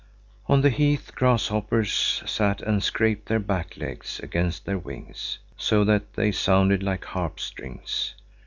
On the heath grasshoppers sat and scraped their back legs against their wings, so that they sounded like harp strings.